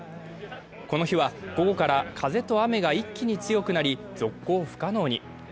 この日は午後から風と雨が一気に強くなり続行不可能に。